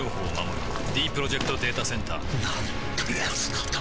ディープロジェクト・データセンターなんてやつなんだ